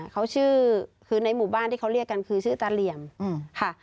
เขาชื่อคือในหมู่บ้านที่เขาเรียกกันคือชื่อตาเหลี่ยมค่ะ